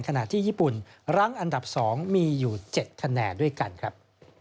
ที่ญี่ปุ่นรั้งอันดับ๒มีอยู่๗คะแนนด้วยกันครับ